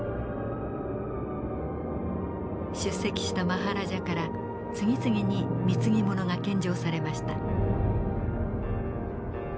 出席したマハラジャから次々に貢ぎ物が献上されました。